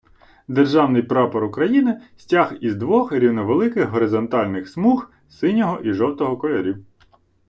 Державний Прапор України - стяг із двох рівновеликих горизонтальних смуг синього і жовтого кольорів.